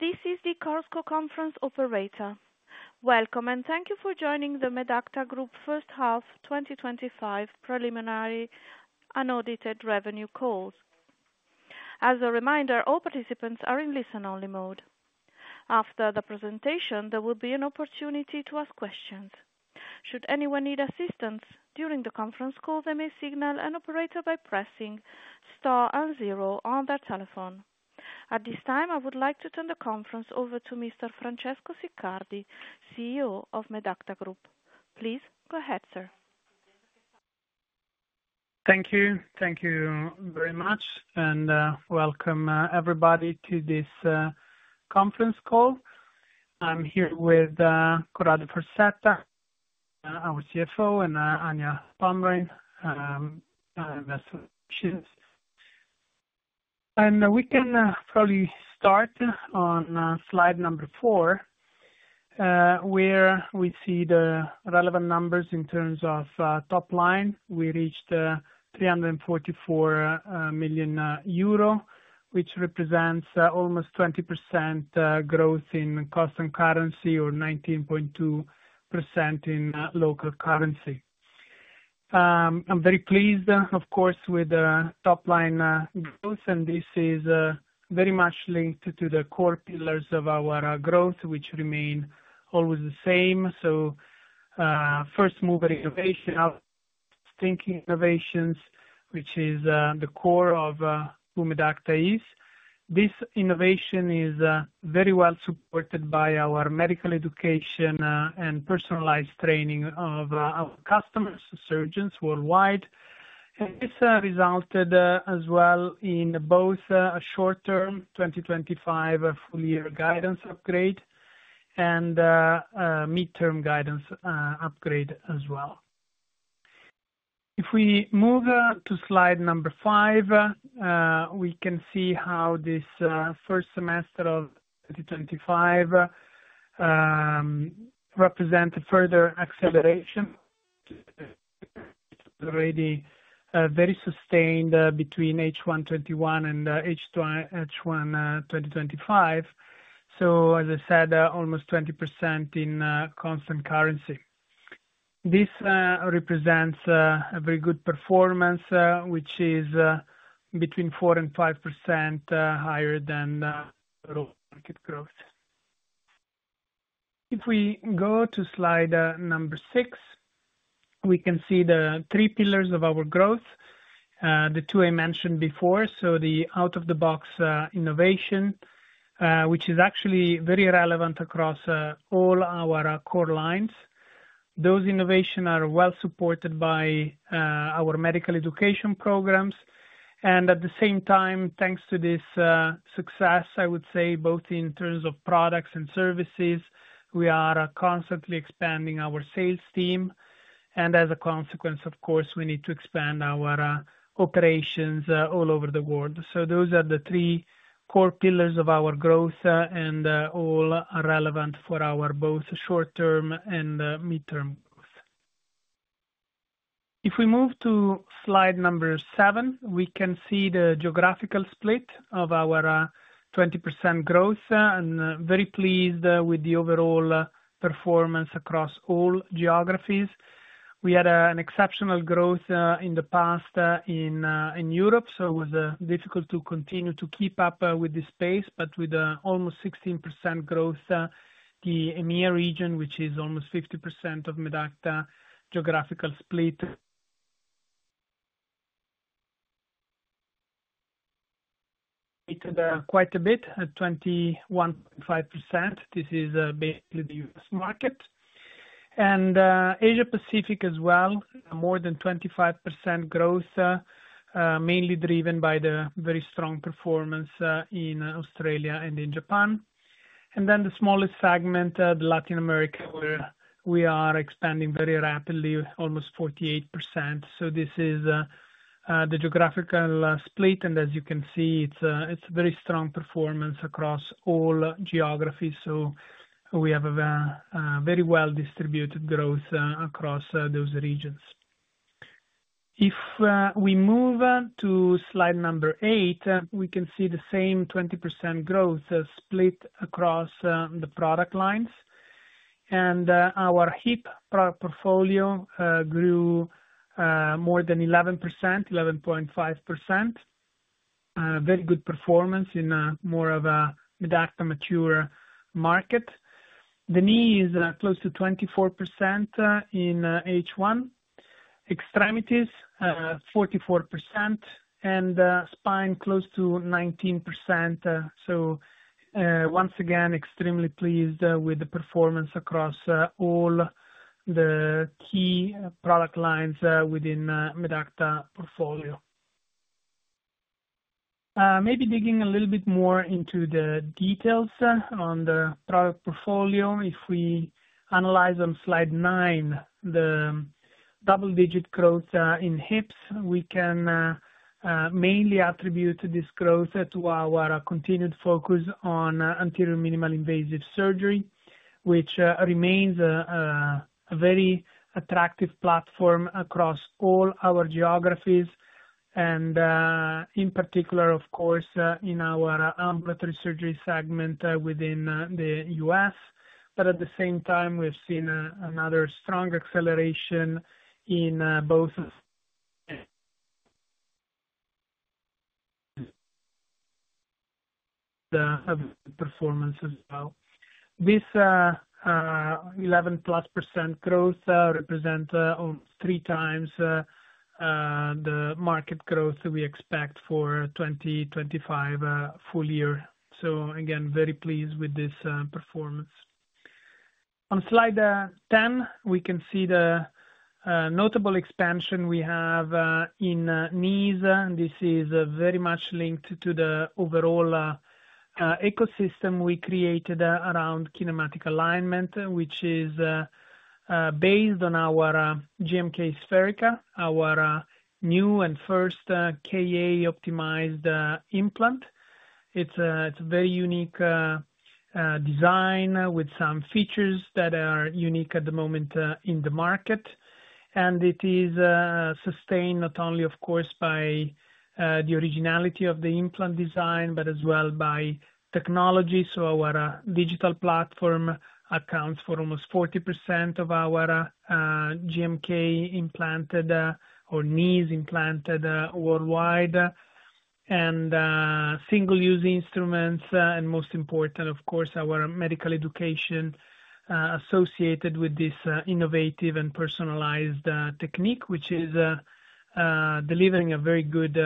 This is the Chorus Call conference operator. Welcome and thank you for joining the Medacta Group first half 2025 preliminary unaudited revenue call. As a reminder, all participants are in listen-only mode. After the presentation, there will be an opportunity to ask questions. Should anyone need assistance during the conference call, they may signal an operator by pressing star and zero on their telephone. At this time, I would like to turn the conference over to Mr. Francesco Siccardi, CEO of Medacta Group. Please go ahead, sir. Thank you. Thank you very much. Welcome, everybody, to this conference call. I'm here with Corrado Farsetta, our CFO, and Anja Pomrehn, our Investor Relations. We can probably start on slide number four, where we see the relevant numbers in terms of top line. We reached 344 million euro, which represents almost 20% growth in constant currency or 19.2% in local currency. I'm very pleased, of course, with the top line growth. This is very much linked to the core pillars of our growth, which remain always the same. First mover innovation, out-of-thinking innovations, which is the core of who Medacta is. This innovation is very well supported by our medical education and personalized training of our customers, surgeons worldwide. This resulted as well in both a short-term 2025 full-year guidance upgrade and a midterm guidance upgrade as well. If we move to slide number five, we can see how this first semester of 2025 represents a further acceleration. It's already very sustained between H1 2021 and H1 2025. As I said, almost 20% in constant currency. This represents a very good performance, which is between 4% and 5% higher than the total market growth. If we go to slide number six, we can see the three pillars of our growth, the two I mentioned before. The out-of-the-box innovation, which is actually very relevant across all our core lines. Those innovations are well supported by our medical education programs. At the same time, thanks to this success, I would say both in terms of products and services, we are constantly expanding our sales team. As a consequence, of course, we need to expand our operations all over the world. Those are the three core pillars of our growth, and all are relevant for our both short-term and midterm growth. If we move to slide number seven, we can see the geographical split of our 20% growth. I'm very pleased with the overall performance across all geographies. We had an exceptional growth in the past in Europe. It was difficult to continue to keep up with this pace, but with almost 16% growth, the EMEA region, which is almost 50% of Medacta's geographical split. North America did quite a bit at 21.5%. This is basically the U.S. market. Asia Pacific as well, more than 25% growth, mainly driven by the very strong performance in Australia and in Japan. Then the smallest segment, the Latin America, where we are expanding very rapidly, almost 48%. This is the geographical split. As you can see, it's a very strong performance across all geographies. We have a very well-distributed growth across those regions. If we move to slide number eight, we can see the same 20% growth split across the product lines. Our Hip product portfolio grew more than 11%, 11.5%. Very good performance in more of a Medacta mature market. The Knee is close to 24% in H1. Extremities, 44%. Spine close to 19%. Once again, extremely pleased with the performance across all the key product lines within the Medacta portfolio. Maybe digging a little bit more into the details on the product portfolio. If we analyze on slide nine, the double-digit growth in Hips, we can mainly attribute this growth to our continued focus on anterior minimally invasive surgery, which remains a very attractive platform across all our geographies. In particular, of course, in our ambulatory surgery segment within the U.S. At the same time, we've seen another strong acceleration in both the performance as well. This 11%+ growth represents almost three times the market growth that we expect for 2025 full year. Again, very pleased with this performance. On slide 10, we can see the notable expansion we have in Knees. This is very much linked to the overall ecosystem we created around kinematic alignment, which is based on our GMK SpheriKA, our new and first KA-optimized implant. It's a very unique design with some features that are unique at the moment in the market. It is sustained not only, of course, by the originality of the implant design, but as well by technology. Our digital platform accounts for almost 40% of our GMK-implanted, or knees-implanted, worldwide, and single-use instruments. Most important, of course, our medical education associated with this innovative and personalized technique, which is delivering a very good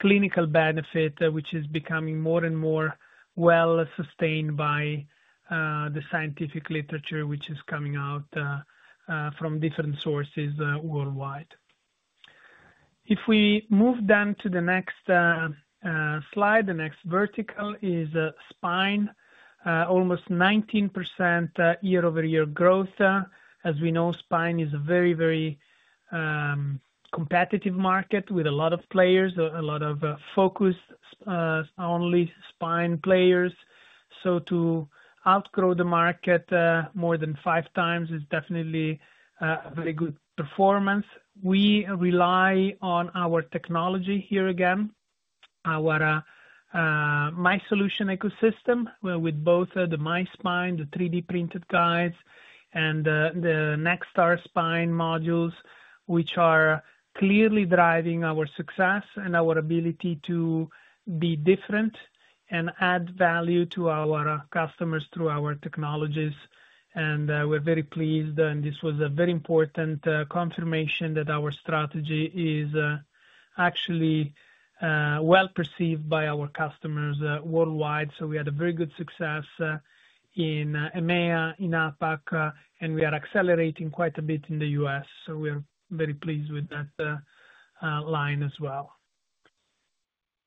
clinical benefit, which is becoming more and more well-sustained by the scientific literature, which is coming out from different sources worldwide. If we move then to the next slide, the next vertical is Spine. Almost 19% year-over-year growth. As we know, Spine is a very, very competitive market with a lot of players, a lot of focused, only Spine players. To outgrow the market more than five times is definitely a very good performance. We rely on our technology here again, our MySolutions Ecosystem, with both the MySpine, the 3D-printed guides, and the NextAR Spine modules, which are clearly driving our success and our ability to be different and add value to our customers through our technologies. We're very pleased. This was a very important confirmation that our strategy is actually well-perceived by our customers worldwide. We had a very good success in EMEA, in APAC, and we are accelerating quite a bit in the U.S. We are very pleased with that line as well.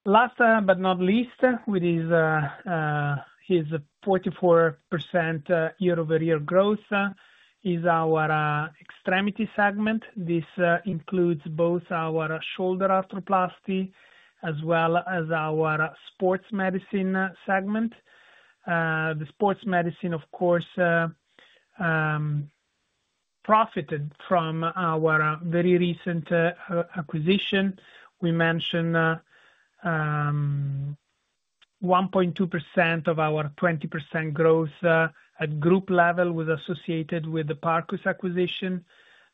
Last but not least, with its 44% year-over-year growth, is our Extremities segment. This includes both our shoulder arthroplasty as well as our sports medicine segment. The sports medicine, of course, profited from our very recent acquisition. We mentioned 1.2% of our 20% growth at group level was associated with the Parcus acquisition,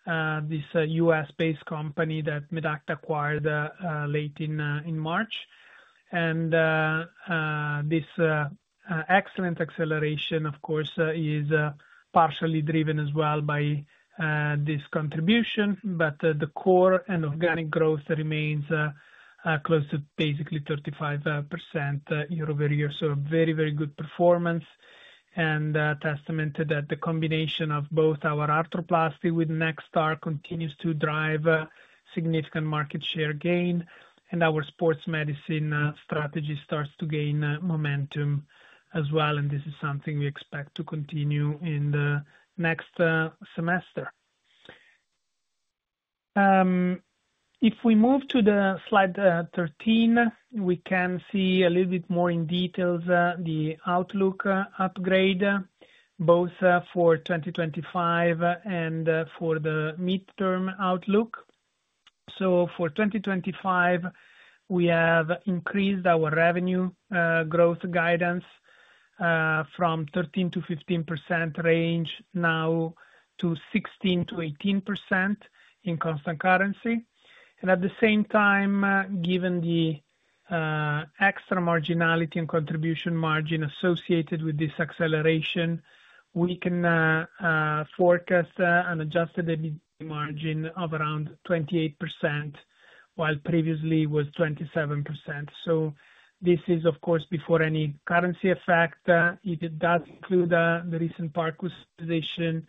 this U.S.-based company that Medacta acquired late in March. This excellent acceleration, of course, is partially driven as well by this contribution. The core and organic growth remains close to basically 35% year-over-year. A very, very good performance and testament to that the combination of both our arthroplasty with NextAR continues to drive significant market share gain. Our sports medicine strategy starts to gain momentum as well. This is something we expect to continue in the next semester. If we move to slide 13, we can see a little bit more in detail the outlook upgrade, both for 2025 and for the midterm outlook. For 2025, we have increased our revenue growth guidance from 13%-15% range now to 16%-18% in constant currency. At the same time, given the extra marginality and contribution margin associated with this acceleration, we can forecast an adjusted EBITDA margin of around 28% while previously it was 27%. This is, of course, before any currency effect. It does include the recent Parcus position.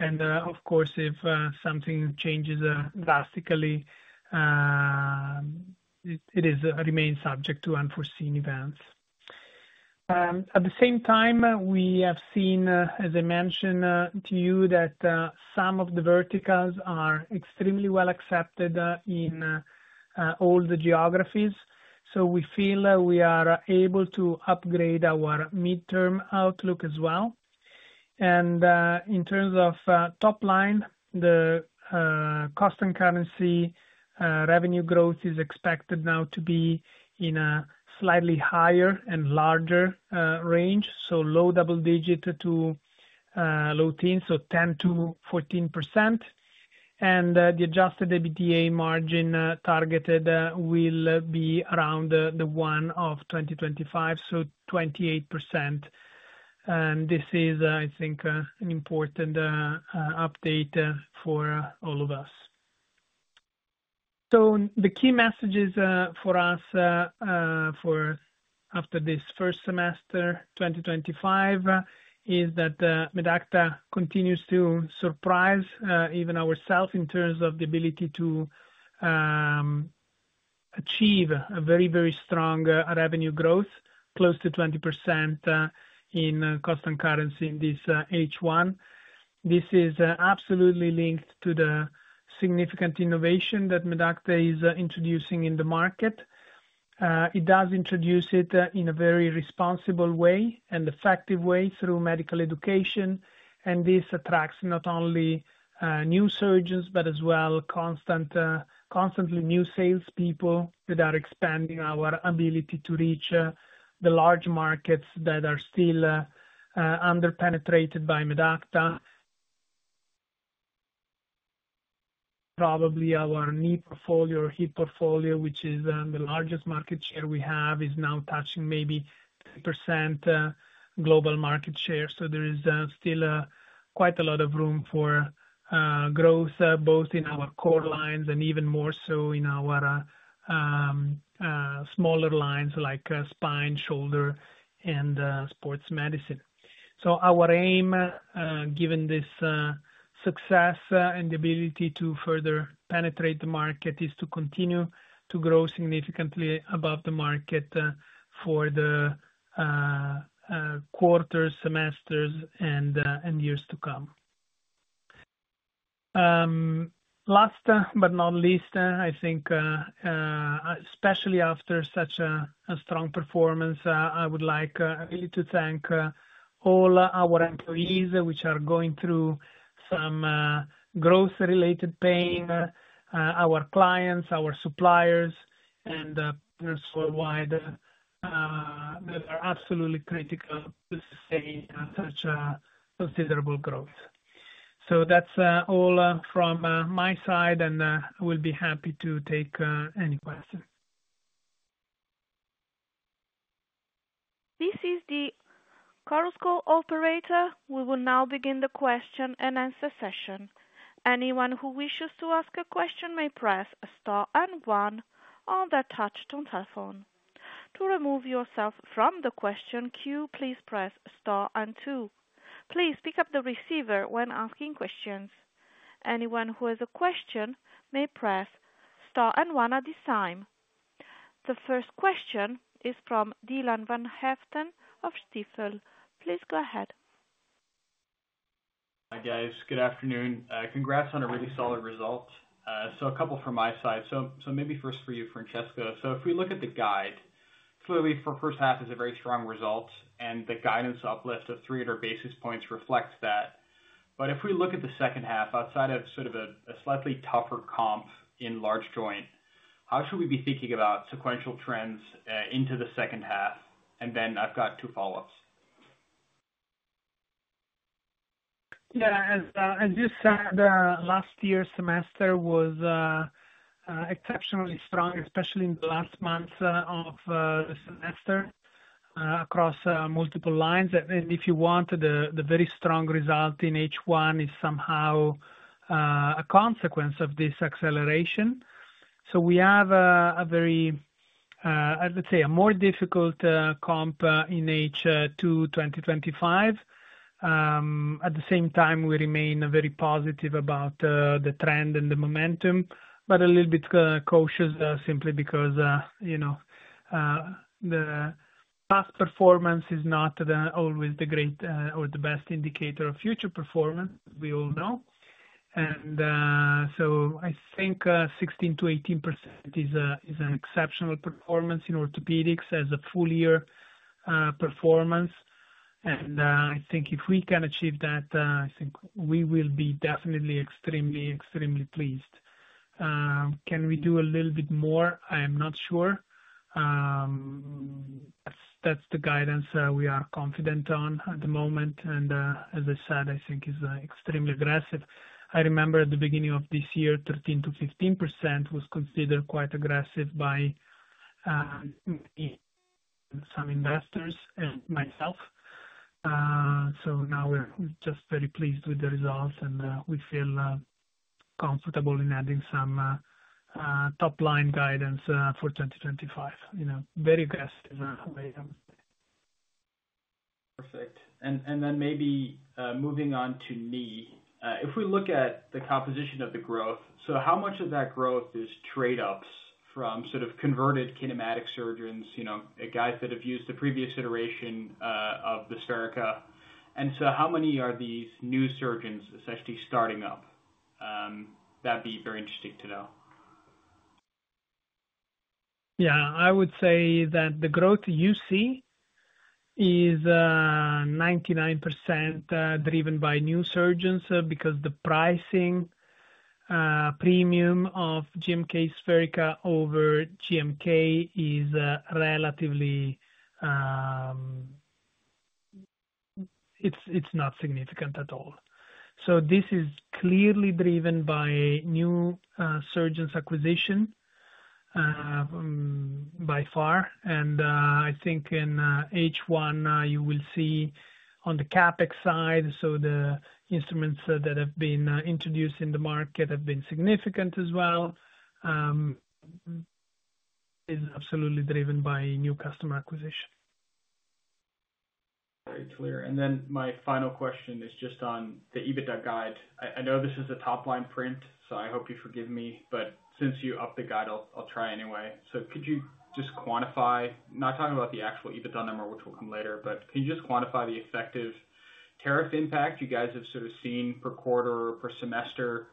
Of course, if something changes drastically, it remains subject to unforeseen events. At the same time, we have seen, as I mentioned to you, that some of the verticals are extremely well accepted in all the geographies. We feel that we are able to upgrade our midterm outlook as well. In terms of top line, the constant currency revenue growth is expected now to be in a slightly higher and larger range, so low double-digit to low teens, so 10%-14%. The adjusted EBITDA margin targeted will be around the one of 2025, so 28%. I think this is an important update for all of us. The key messages for us after this first semester 2025 is that Medacta continues to surprise even ourselves in terms of the ability to achieve a very, very strong revenue growth, close to 20% in constant currency in this H1. This is absolutely linked to the significant innovation that Medacta is introducing in the market. It does introduce it in a very responsible and effective way through medical education. This attracts not only new surgeons, but as well constantly new salespeople that are expanding our ability to reach the large markets that are still underpenetrated by Medacta. Probably our Knee portfolio or Hip portfolio, which is the largest market share we have, is now touching maybe 10% global market share. There is still quite a lot of room for growth, both in our core lines and even more so in our smaller lines like spine, shoulder, and sports medicine. Our aim, given this success and the ability to further penetrate the market, is to continue to grow significantly above the market for the quarters, semesters, and years to come. Last, but not least, I think, especially after such a strong performance, I would really like to thank all our employees, who are going through some growth-related pain, our clients, our suppliers, and partners worldwide, that are absolutely critical to sustain such considerable growth. That's all from my side. We'll be happy to take any questions. This is the Chorus Call operator. We will now begin the question-and-answer session. Anyone who wishes to ask a question may press star and one on the touch-tone telephone. To remove yourself from the question queue, please press star and two. Please pick up the receiver when asking questions. Anyone who has a question may press star and one at this time. The first question is from Dylan van Haaften of Stifel. Please go ahead. Hi, guys. Good afternoon. Congrats on a really solid result. A couple from my side. Maybe first for you, Francesco. If we look at the guide, clearly, for the first half, it's a very strong result. The guidance uplift of 300 basis points reflects that. If we look at the second half, outside of a slightly tougher comp in large joint, how should we be thinking about sequential trends into the second half? I've got two follow-ups. Yeah. As you said, last year's semester was exceptionally strong, especially in the last month of the semester across multiple lines. If you want, the very strong result in H1 is somehow a consequence of this acceleration. We have a very, I would say, a more difficult comp in H2 2025. At the same time, we remain very positive about the trend and the momentum, but a little bit cautious, simply because, you know, the past performance is not always the great or the best indicator of future performance, as we all know. I think 16%-18% is an exceptional performance in orthopedics as a full-year performance. I think if we can achieve that, I think we will be definitely extremely, extremely pleased. Can we do a little bit more? I am not sure. That's the guidance we are confident on at the moment. I think it is extremely aggressive. I remember at the beginning of this year, 13%-15% was considered quite aggressive by some investors and myself. Now we're just very pleased with the results, and we feel comfortable in adding some top-line guidance for 2025. You know, very aggressive, I would say. Perfect. Maybe, moving on to Knee. If we look at the composition of the growth, how much of that growth is trade-offs from sort of converted kinematic surgeons, you know, guys that have used the previous iteration of the SpheriKA? How many are these new surgeons essentially starting up? That'd be very interesting to know. Yeah. I would say that the growth you see is 99% driven by new surgeons, because the pricing premium of GMK SpheriKA over GMK is, relatively, it's not significant at all. This is clearly driven by new surgeons' acquisition, by far. I think in H1, you will see on the CapEx side, the instruments that have been introduced in the market have been significant as well. It is absolutely driven by new customer acquisition. Very clear. My final question is just on the EBITDA guide. I know this is a top-line print, so I hope you forgive me. Since you upped the guide, I'll try anyway. Could you just quantify, not talking about the actual EBITDA number, which will come later, but can you just quantify the effective tariff impact you guys have sort of seen per quarter or per semester?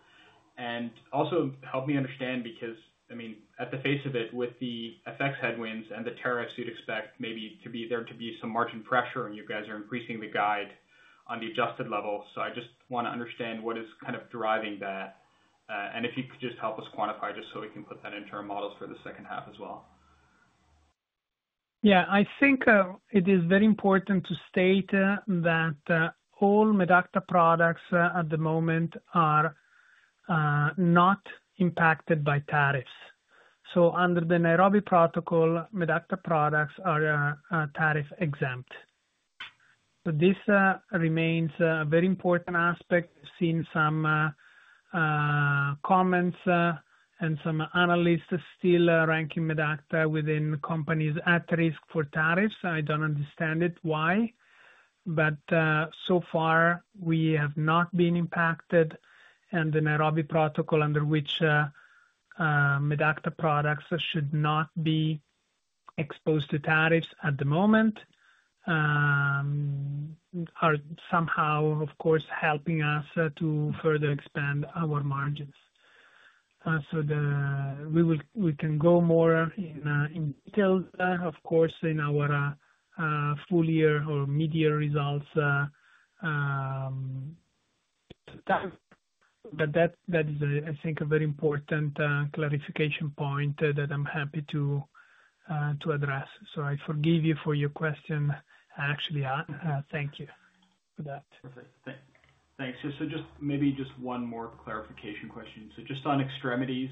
Also, help me understand because, I mean, at the face of it, with the effects headwinds and the tariffs, you'd expect maybe there to be some margin pressure, and you guys are increasing the guide on the adjusted level. I just want to understand what is kind of driving that, and if you could just help us quantify just so we can put that into our models for the second half as well. Yeah, I think it is very important to state that all Medacta products at the moment are not impacted by tariffs. Under the Nairobi Protocol, Medacta products are tariff-exempt. This remains a very important aspect seeing some comments and some analysts still ranking Medacta within companies at risk for tariffs. I don't understand it why. So far, we have not been impacted. The Nairobi Protocol, under which Medacta products should not be exposed to tariffs at the moment, is somehow, of course, helping us to further expand our margins. We can go more in detail, of course, in our full-year or mid-year results, but that is a very important clarification point that I'm happy to address. I forgive you for your question, and actually, thank you for that. Thanks. Just maybe one more clarification question. Just on Extremities,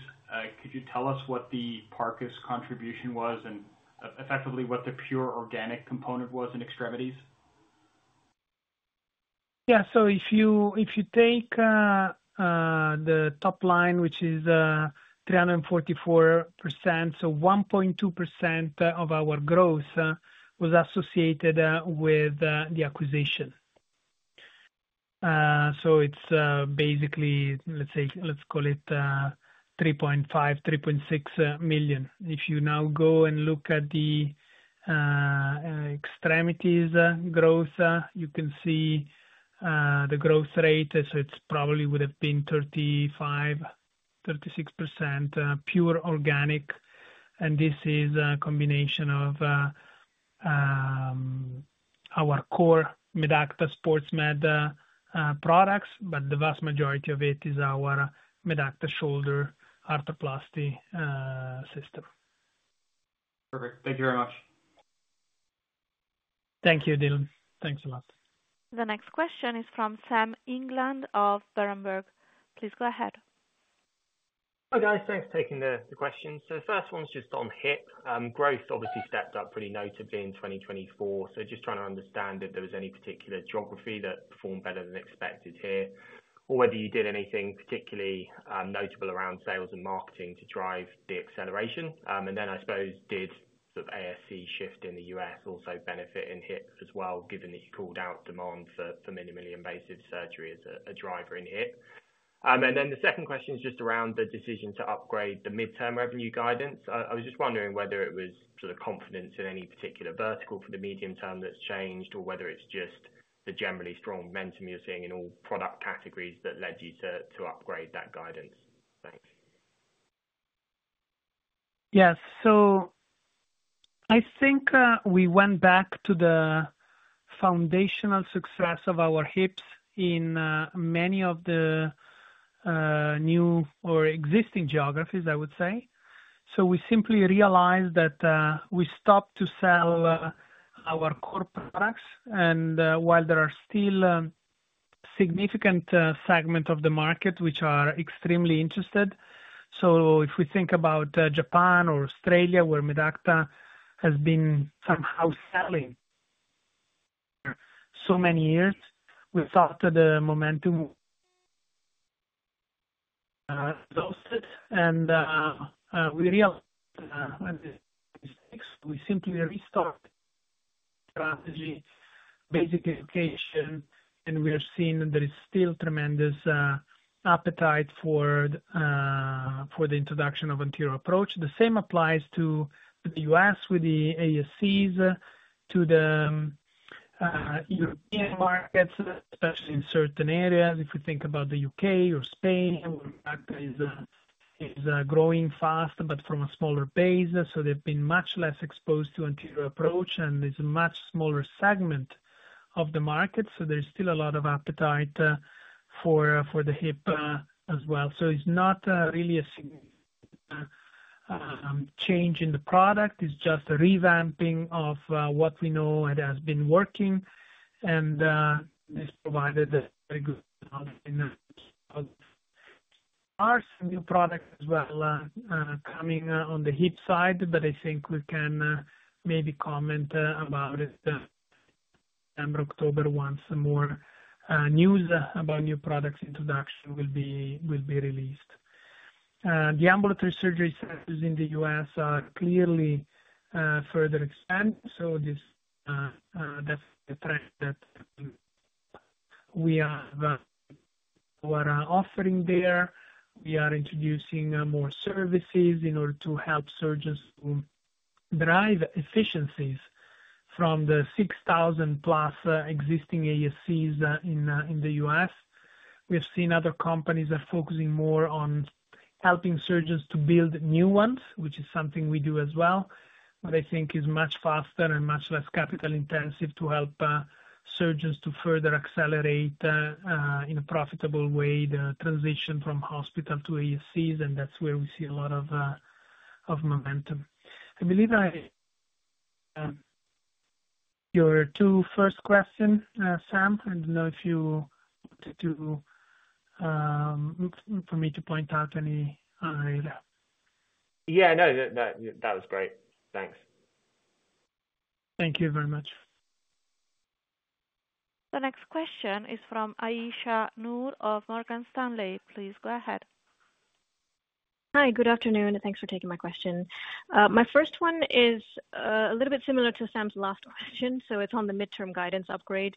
could you tell us what the Parcus contribution was and effectively what the pure organic component was in Extremities? If you take the top line, which is 344 million, 1.2% of our growth was associated with the acquisition. It's basically, let's call it 3.5 million, 3.6 million. If you now go and look at the Extremities growth, you can see the growth rate. It probably would have been 35%, 36% pure organic. This is a combination of our core Medacta SportsMed products, but the vast majority of it is our Medacta shoulder arthroplasty system. Perfect. Thank you very much. Thank you, Dylan. Thanks a lot. The next question is from Sam England of Berenberg. Please go ahead. Hi, guys. Thanks for taking the questions. The first one's just on Hip. Growth obviously stepped up pretty notably in 2024. Just trying to understand if there was any particular geography that performed better than expected here or whether you did anything particularly notable around sales and marketing to drive the acceleration. I suppose, did sort of ASC shift in the U.S. also benefit in Hip as well, given that you called out demand for minimally invasive surgery as a driver in Hip? The second question is just around the decision to upgrade the midterm revenue guidance. I was just wondering whether it was confidence in any particular vertical for the medium term that's changed or whether it's just the generally strong momentum you're seeing in all product categories that led you to upgrade that guidance. Thanks. Yes. I think we went back to the foundational success of our Hips in many of the new or existing geographies, I would say. We simply realized that we stopped to sell our core products. While there are still significant segments of the market which are extremely interested, if we think about Japan or Australia, where Medacta has been somehow selling for so many years, we thought that the momentum was exhausted. We realized when this hit, we simply restarted the strategy, basic education. We are seeing that there is still tremendous appetite for the introduction of anterior approach. The same applies to the U.S. with the ASCs, to the European markets, especially in certain areas. If we think about the U.K. or Spain, where Medacta is growing fast but from a smaller base, they've been much less exposed to anterior approach. It's a much smaller segment of the market. There's still a lot of appetite for the Hip as well. It's not really a significant change in the product. It's just a revamping of what we know has been working. It's provided a very good knowledge in that. Our new product as well, coming on the Hip side. I think we can maybe comment about it September, October once some more news about new products introduction will be released. The ambulatory surgery centers in the U.S. are clearly further expanding. That's the trend that we are offering there. We are introducing more services in order to help surgeons to drive efficiencies from the 6,000+ existing ASCs in the U.S. We have seen other companies that are focusing more on helping surgeons to build new ones, which is something we do as well, but I think is much faster and much less capital-intensive to help surgeons to further accelerate in a profitable way the transition from hospital to ASCs. That's where we see a lot of momentum. I believe I, your two first questions, Sam, I don't know if you wanted for me to point out any area. Yeah, that was great. Thanks. Thank you very much. The next question is from Aisyah Noor of Morgan Stanley. Please go ahead. Hi. Good afternoon. Thanks for taking my question. My first one is a little bit similar to Sam's last question. It's on the midterm guidance upgrade.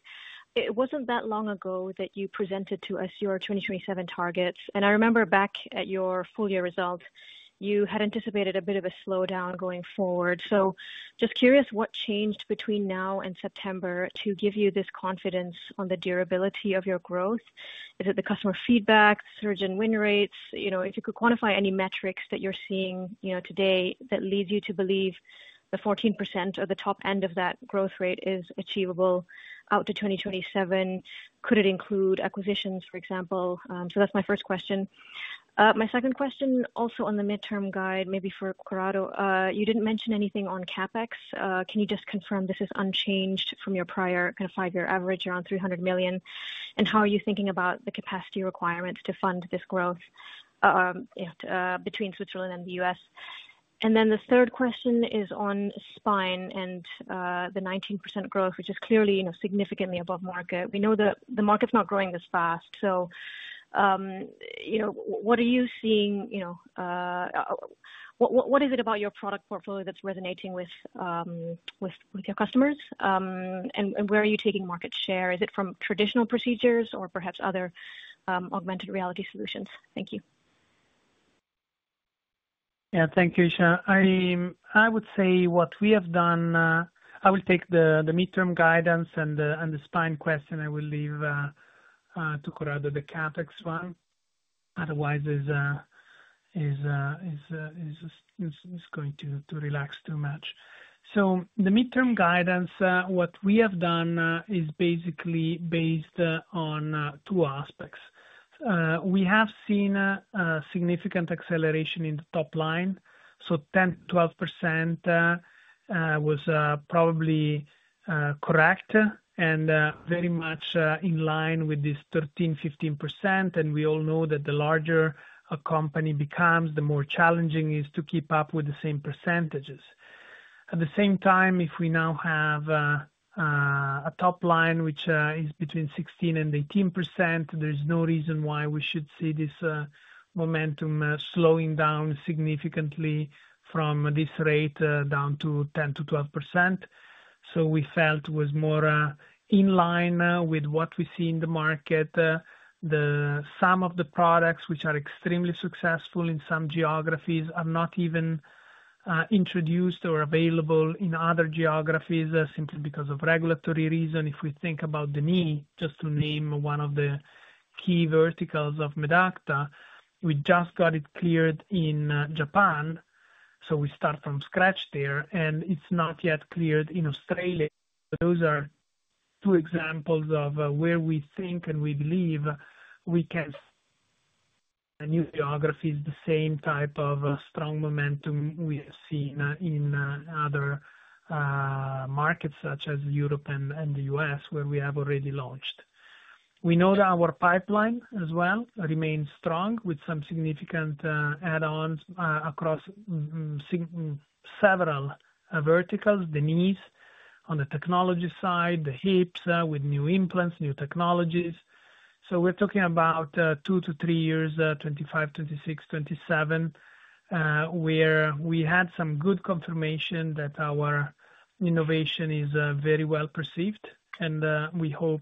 It wasn't that long ago that you presented to us your 2027 targets. I remember back at your full-year results, you had anticipated a bit of a slowdown going forward. I'm just curious what changed between now and September to give you this confidence on the durability of your growth. Is it the customer feedback, surgeon win rates? If you could quantify any metrics that you're seeing today that lead you to believe the 14% or the top end of that growth rate is achievable out to 2027, could it include acquisitions, for example? That's my first question. My second question, also on the midterm guide, maybe for Corrado, you didn't mention anything on CapEx. Can you just confirm this is unchanged from your prior kind of five-year average around 300 million? How are you thinking about the capacity requirements to fund this growth between Switzerland and the U.S.? The third question is on Spine and the 19% growth, which is clearly significantly above market. We know that the market's not growing this fast. What are you seeing, what is it about your product portfolio that's resonating with your customers, and where are you taking market share? Is it from traditional procedures or perhaps other augmented reality solutions? Thank you. Thank you, Aisyah. I would say what we have done, I will take the midterm guidance and the Spine question. I will leave to Corrado the CapEx one. Otherwise, it's going to relax too much. The midterm guidance, what we have done, is basically based on two aspects. We have seen a significant acceleration in the top line. So 10%-12% was probably correct and very much in line with this 13%-15%. We all know that the larger a company becomes, the more challenging it is to keep up with the same percentages. At the same time, if we now have a top line which is between 16% and 18%, there's no reason why we should see this momentum slowing down significantly from this rate, down to 10%-12%. We felt it was more in line with what we see in the market. Some of the products which are extremely successful in some geographies are not even introduced or available in other geographies, simply because of regulatory reasons. If we think about the Knee, just to name one of the key verticals of Medacta, we just got it cleared in Japan. We start from scratch there. It's not yet cleared in Australia. Those are two examples of where we think and we believe we can see in new geographies the same type of strong momentum we have seen in other markets such as Europe and the U.S. where we have already launched. We know that our pipeline as well remains strong with some significant add-ons across several verticals, the Knees on the technology side, the Hips, with new implants, new technologies. We're talking about two to three years, 2025, 2026, 2027, where we had some good confirmation that our innovation is very well perceived. We hope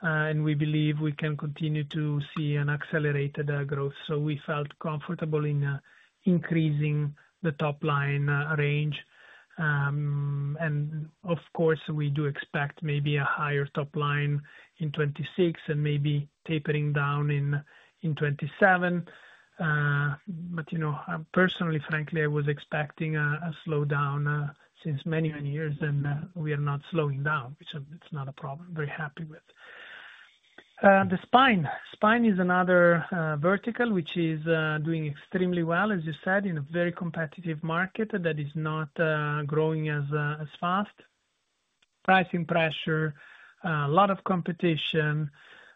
and we believe we can continue to see an accelerated growth. We felt comfortable in increasing the top line range. Of course, we do expect maybe a higher top line in 2026 and maybe tapering down in 2027. You know, personally, frankly, I was expecting a slowdown since many, many years. We are not slowing down, which is not a problem. I'm very happy with the Spine. Spine is another vertical which is doing extremely well, as you said, in a very competitive market that is not growing as fast. Pricing pressure, a lot of competition.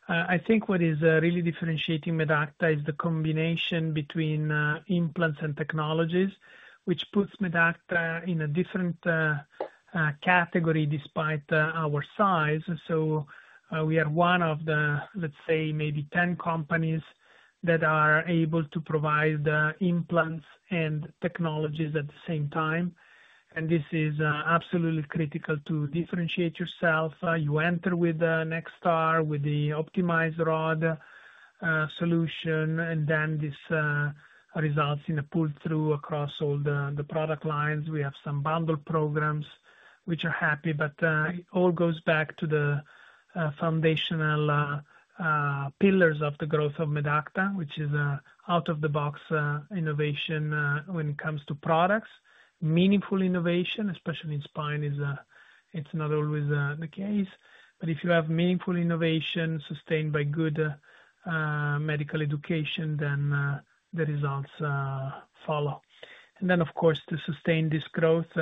I think what is really differentiating Medacta is the combination between implants and technologies, which puts Medacta in a different category despite our size. We are one of the, let's say, maybe 10 companies that are able to provide the implants and technologies at the same time. This is absolutely critical to differentiate yourself. You enter with NextAR with the optimized rod solution, and this results in a pull-through across all the product lines. We have some bundle programs which are happy. It all goes back to the foundational pillars of the growth of Medacta, which is out-of-the-box innovation when it comes to products. Meaningful innovation, especially in Spine, is not always the case. If you have meaningful innovation sustained by good medical education, then the results follow. Of course, to sustain this growth,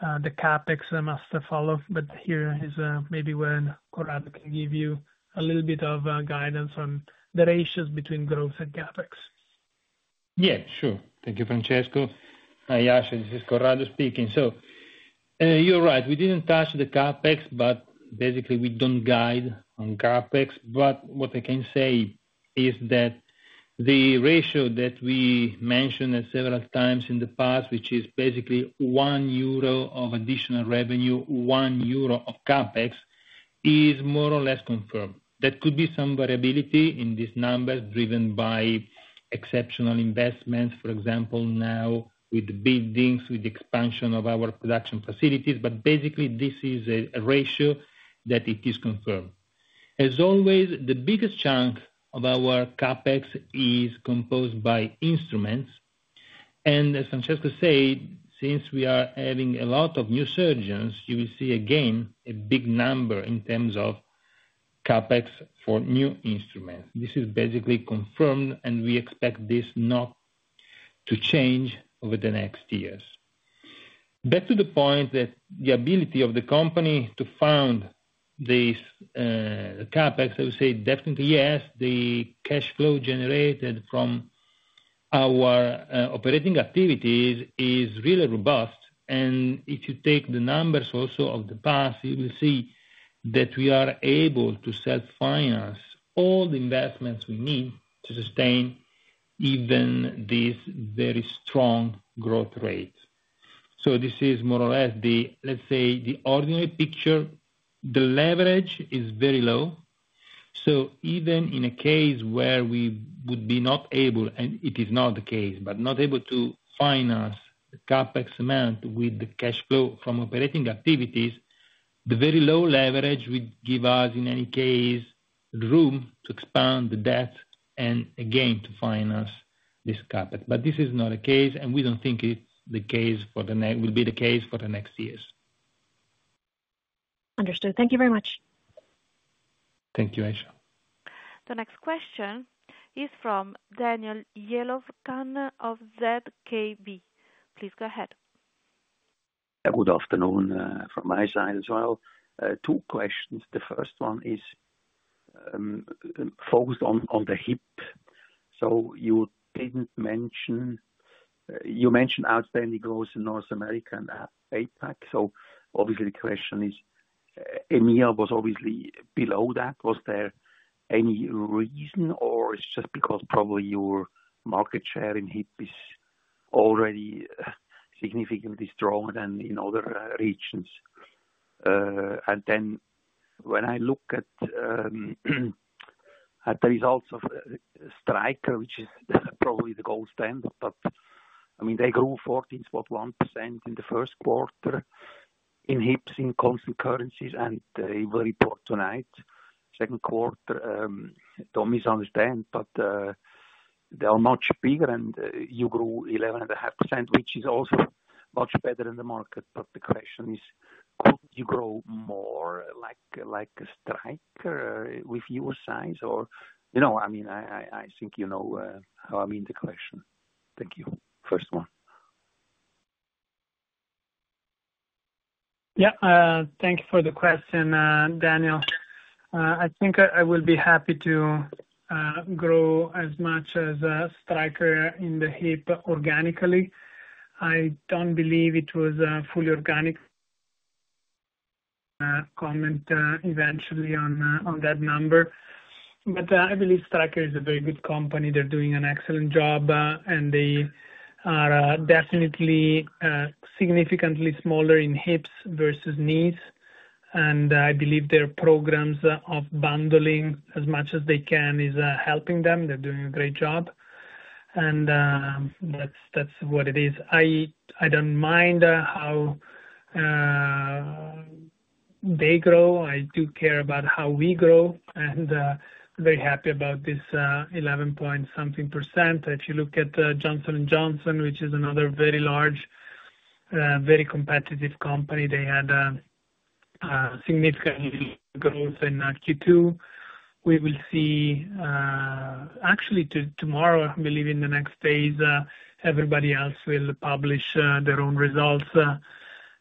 the CapEx must follow. Here is maybe when Corrado can give you a little bit of guidance on the ratios between growth and CapEx. Yeah. Sure. Thank you, Francesco. Aisyah, this is Corrado speaking. You're right. We didn't touch the CapEx, but basically, we don't guide on CapEx. What I can say is that the ratio that we mentioned several times in the past, which is basically 1 euro of additional revenue, 1 euro of CapEx, is more or less confirmed. There could be some variability in these numbers driven by exceptional investments, for example, now with the buildings, with the expansion of our production facilities. This is a ratio that is confirmed. As always, the biggest chunk of our CapEx is composed by instruments. As Francesco said, since we are having a lot of new surgeons, you will see again a big number in terms of CapEx for new instruments. This is basically confirmed. We expect this not to change over the next years. Back to the point that the ability of the company to fund this, the CapEx, I would say definitely yes. The cash flow generated from our operating activities is really robust. If you take the numbers also of the past, you will see that we are able to self-finance all the investments we need to sustain even this very strong growth rate. This is more or less the ordinary picture. The leverage is very low. Even in a case where we would be not able, and it is not the case, but not able to finance the CapEx amount with the cash flow from operating activities, the very low leverage would give us, in any case, room to expand the debts and again to finance this CapEx. This is not a case. We don't think it's the case for the next years. Understood. Thank you very much. Thank you, Aisyah. The next question is from Daniel Jelovcan of ZKB. Please go ahead. Good afternoon, from my side as well. Two questions. The first one is focused on the Hip. You mentioned outstanding growth in North America and APAC. The question is, EMEA was obviously below that. Was there any reason, or is it just because probably your market share in Hip is already significantly stronger than in other regions? When I look at the results of Stryker, which is probably the gold standard, they grew 14.1% in the first quarter in Hips in constant currency, and they will report tonight, second quarter. Don't misunderstand, but they are much bigger, and you grew 11.5%, which is also much better than the market. The question is, could you grow more, like Stryker, with your size? I think you know how I mean the question. Thank you. First one. Yeah, thank you for the question, Daniel. I think I will be happy to grow as much as Stryker in the Hip organically. I don't believe it was fully organic. Comment eventually on that number. I believe Stryker is a very good company. They're doing an excellent job, and they are definitely significantly smaller in Hips versus Knees. I believe their programs of bundling as much as they can is helping them. They're doing a great job. That's what it is. I don't mind how they grow. I do care about how we grow. I'm very happy about this 11 point something percent. If you look at Johnson & Johnson, which is another very large, very competitive company, they had significant growth in Q2. We will see, actually, tomorrow. I believe in the next days, everybody else will publish their own results,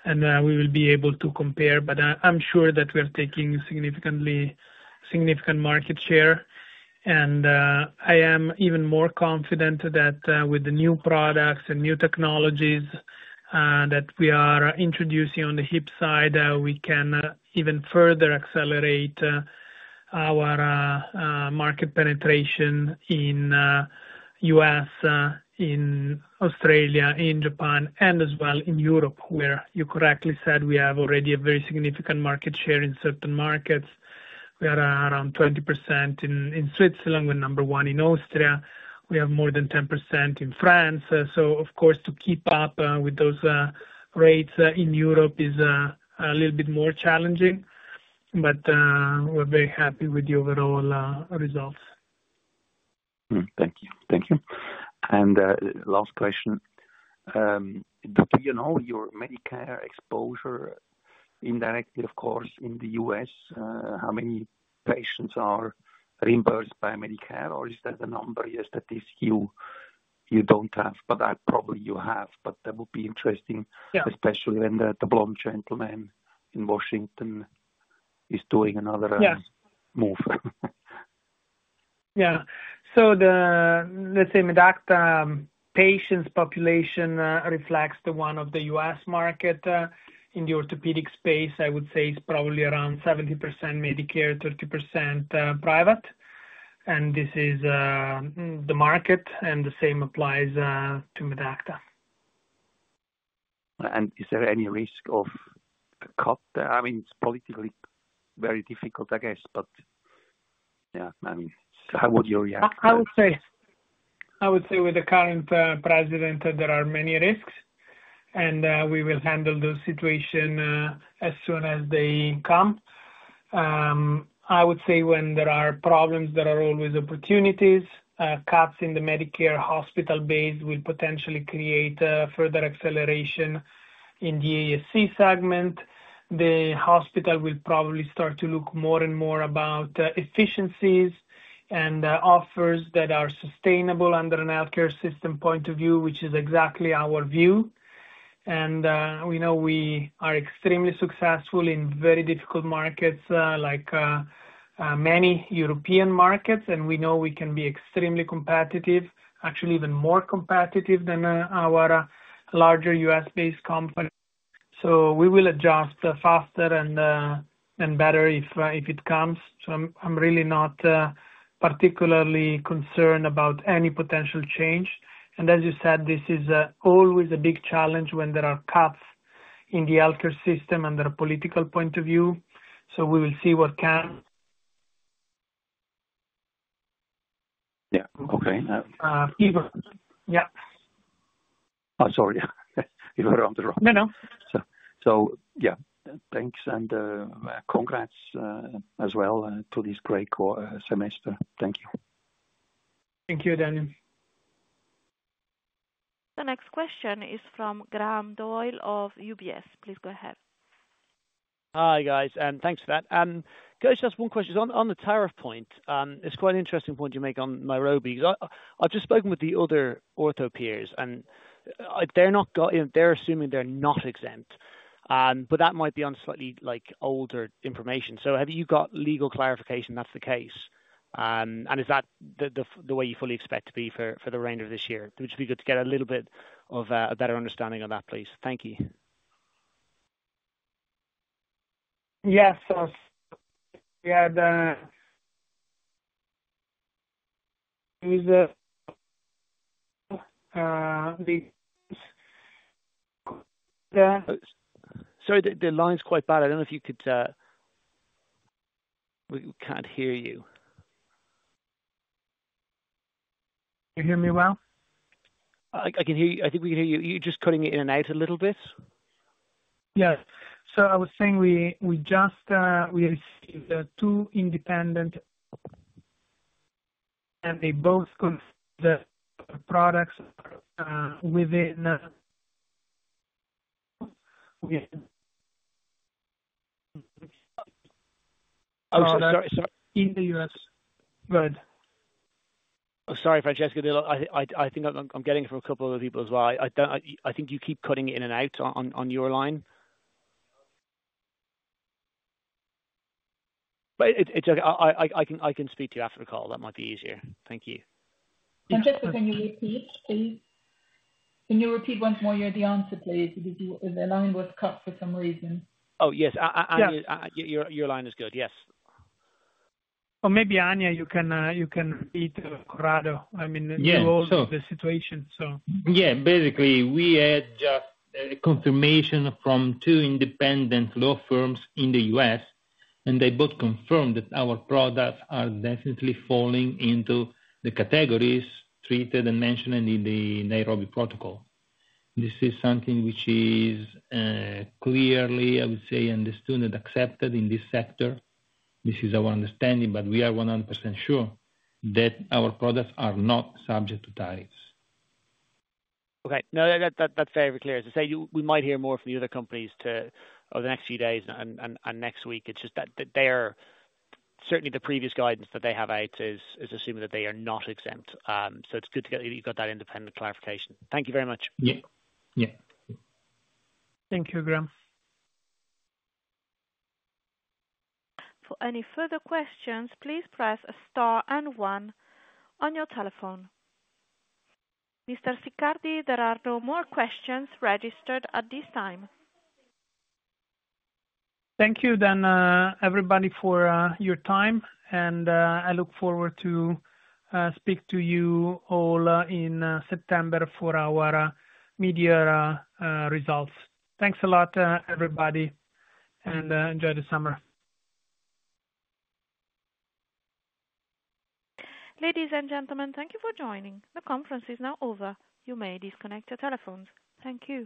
and we will be able to compare. I'm sure that we are taking significant market share. I am even more confident that with the new products and new technologies that we are introducing on the Hip side, we can even further accelerate our market penetration in the U.S., in Australia, in Japan, and as well in Europe, where you correctly said we have already a very significant market share in certain markets. We are around 20% in Switzerland. We're number one in Austria. We have more than 10% in France. Of course, to keep up with those rates in Europe is a little bit more challenging. We're very happy with the overall results. Thank you. Thank you. Last question. Do you know your Medicare exposure indirectly, of course, in the U.S.? How many patients are reimbursed by Medicare? Is that a number that you don't have? I probably you have, but that would be interesting, especially when the blonde gentleman in Washington is doing another move. Yeah. The Medacta patients' population reflects the one of the U.S. market. In the orthopedic space, I would say it's probably around 70% Medicare, 30% private. This is the market, and the same applies to Medacta. Is there any risk of a cut there? It's politically very difficult, I guess. It's how would you react? I would say with the current president, there are many risks, and we will handle the situation as soon as they come. I would say when there are problems, there are always opportunities. Cuts in the Medicare hospital base will potentially create further acceleration in the ASC segment. The hospital will probably start to look more and more at efficiencies and offers that are sustainable under a healthcare system point of view, which is exactly our view. We know we are extremely successful in very difficult markets, like many European markets, and we know we can be extremely competitive, actually even more competitive than our larger U.S.-based companies. We will adjust faster and better if it comes. I'm really not particularly concerned about any potential change. As you said, this is always a big challenge when there are cuts in the healthcare system under a political point of view. We will see what comes. Yeah. Okay. Yeah. Oh, sorry. Yeah. You were around the round. No, no. Thank you, and congrats as well to this great quarter, semester. Thank you. Thank you, Daniel. The next question is from Graham Doyle of UBS. Please go ahead. Hi, guys. Thanks for that. Just one question. On the tariff point, it's quite an interesting point you make on Nairobi. I've just spoken with the other ortho peers, and they're not got, you know, they're assuming they're not exempt. That might be on slightly, like, older information. Have you got legal clarification that's the case? Is that the way you fully expect to be for the remainder of this year? It would just be good to get a little bit of a better understanding on that, please. Thank you. Yes, the line's quite bad. I don't know if you could, we can't hear you. Can you hear me well? I can hear you. I think we can hear you. You're just cutting in and out a little bit. Yeah. I was saying we just received two independent, and they both consider products within, with. Sorry, sorry. In the U.S. Go ahead. Oh, sorry, Francesco. I think I'm getting it from a couple of other people as well. I think you keep cutting in and out on your line. It's okay. I can speak to you after the call. That might be easier. Thank you. Francesco, can you repeat, please? Can you repeat once more your answer, please? Because the line was cut for some reason. Yes, Anja. Yeah. Your line is good. Yes. Maybe, Anja, you can repeat to Corrado. I mean, you all know. Yeah. So. The situation. Yeah. Basically, we had just a confirmation from two independent law firms in the U.S., and they both confirmed that our products are definitely falling into the categories treated and mentioned in the Nairobi Protocol. This is something which is, clearly, I would say, understood and accepted in this sector. This is our understanding. We are 100% sure that our products are not subject to tariffs. Okay. That's very, very clear. You might hear more from the other companies over the next few days and next week. It's just that the previous guidance that they have out is assuming that they are not exempt. It's good to get that you've got that independent clarification. Thank you very much. Yeah. Yeah. Thank you, Graham. For any further questions, please press a star and one on your telephone. Mr. Siccardi, there are no more questions registered at this time. Thank you, everybody, for your time. I look forward to speaking to you all in September for our media results. Thanks a lot, everybody, and enjoy the summer. Ladies and gentlemen, thank you for joining. The conference is now over. You may disconnect your telephones. Thank you.